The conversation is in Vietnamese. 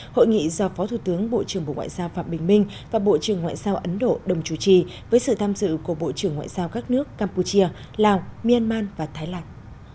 hội nghị do phó thủ tướng bộ trưởng bộ ngoại giao phạm bình minh và bộ trưởng ngoại giao ấn độ đồng chủ trì với sự tham dự của bộ trưởng ngoại giao các nước campuchia lào myanmar và thái lan